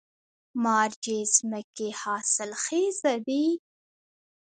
مارجې ځمکې حاصلخیزه دي؟